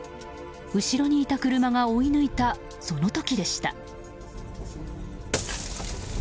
後ろにいた車が追い抜いたその時でした。